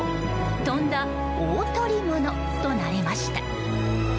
とんだ大とり物となりました。